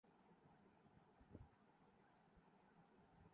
بس کسی شادی بیاہ یا عید کے موقع پر کبھی کبھارکھلتا ہے ۔